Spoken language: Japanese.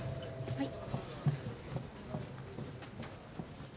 はい。